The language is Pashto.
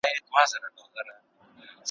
په لامبو کي یې ځان نه وو آزمېیلی ,